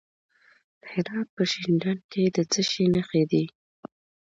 د هرات په شینډنډ کې د څه شي نښې دي؟